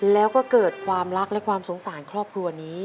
แล้วก็เกิดความรักและความสงสารครอบครัวนี้